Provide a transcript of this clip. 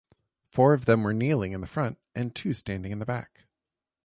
Four of them were kneeling in the front and two standing in the back.